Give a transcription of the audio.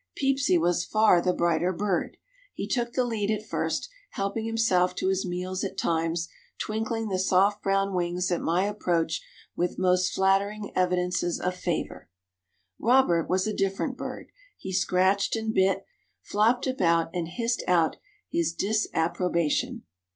Peepsy was far the brighter bird. He took the lead at first, helping himself to his meals at times, twinkling the soft brown wings at my approach with most flattering evidences of favor. Robert was a different bird; he scratched and bit, flopped about and hissed out his disapprobation.